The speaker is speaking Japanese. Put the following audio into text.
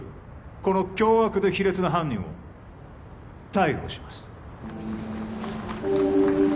この凶悪で卑劣な犯人を逮捕します